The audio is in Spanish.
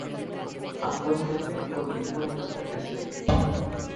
Actualmente, continua en esta prisión.